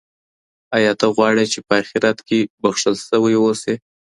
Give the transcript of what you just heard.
ایا ته غواړې چي په اخیرت کي بښل سوی اوسې؟